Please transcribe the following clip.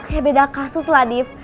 ya beda kasus lah div